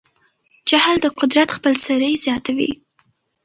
جهل د قدرت خپل سری زیاتوي.